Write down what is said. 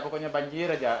pokoknya banjir aja